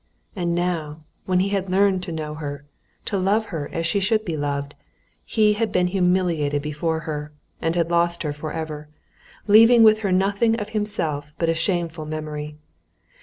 And now when he had learned to know her, to love her as she should be loved, he had been humiliated before her, and had lost her forever, leaving with her nothing of himself but a shameful memory.